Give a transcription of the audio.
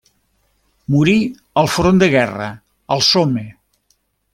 Morí al front de guerra al Somme.